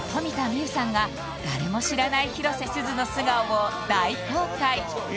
生さんが誰も知らない広瀬すずの素顔を大公開！